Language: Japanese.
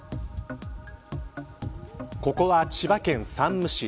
ここは千葉県山武市。